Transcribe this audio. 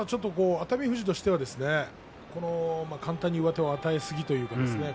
熱海富士としていは簡単に上手を与えすぎでしたね。